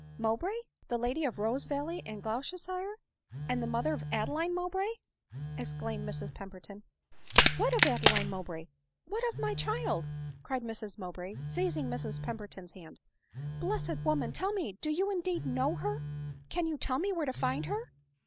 " Mowbray !— The lady of Rosevalley in Gloucester shire ; and the mother of Adeline Mowbray ?" exclaimed Mrs Pemberton. " What of Adeline Mowbray ? What of my child ?" cried Mrs Mowbray, seizing Mrs Pemberton's hand. " Blessed woman ! tell me — Do you indeed know her ? —can you tell me where to find her